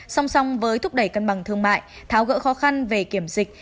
song song với thúc đẩy cân bằng thương mại tháo gỡ khó khăn về kiểm dịch